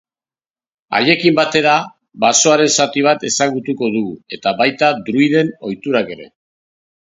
Haiekin batera basoaren zati bat ezagutuko dugu eta baita druiden ohiturak ere.